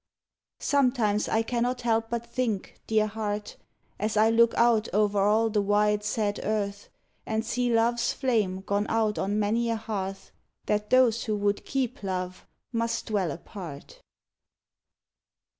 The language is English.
Sometimes I cannot help but think, dear heart, As I look out o'er all the wide, sad earth And see love's flame gone out on many a hearth, That those who would keep love must dwell apart.